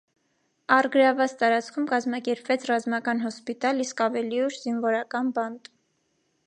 Առգրավված տարածքում կազմակերպվեց ռազմական հոսպիտալ, իսկ ավելի ուշ՝ զինվորական բանտ։